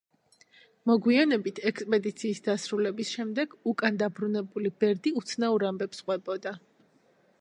მოგვიანებით, ექსპედიციის დასრულების შემდეგ, უკან დაბრუნებული ბერდი უცნაურ ამბებს ყვებოდა.